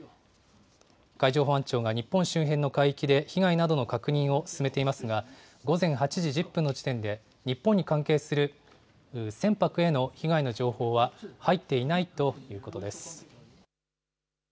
海上保安庁が日本周辺の海域で被害などの確認を進めていますが、午前８時１０分の時点で、日本に関係する船舶への被害の情報は入っていないということです。